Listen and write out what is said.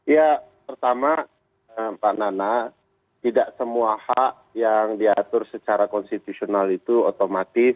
ya pertama mbak nana tidak semua hak yang diatur secara konstitusional itu otomatis